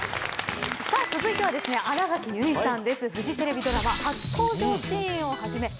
さあ続いてはですね新垣結衣さんです。